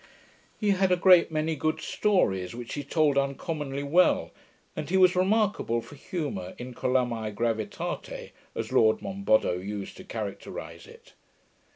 He had a great many good stories, which he told uncommonly well, and he was remarkable for 'humour, incolumi gravitate', as Lord Monboddo used to characterize it.